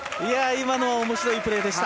今のは面白いプレーでした。